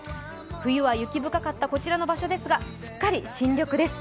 冬は雪深かったこちらの場所ですがすっかり新緑です。